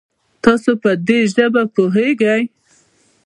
تاسو په دي ژبه پوهږئ؟